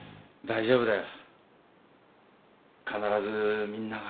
大丈夫だよ。